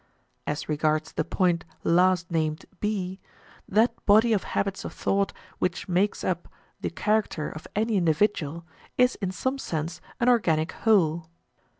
As regards the point last named (b), that body of habits of thought which makes up the character of any individual is in some sense an organic whole.